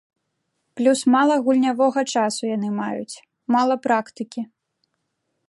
Плюс мала гульнявога часу яны маюць, мала практыкі.